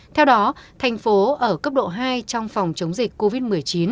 theo đó thành phố ở cấp độ hai trong phòng chống dịch covid một mươi chín